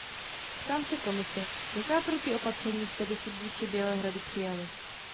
Ptám se Komise, jaká protiopatření jste dosud vůči Bělehradu přijali?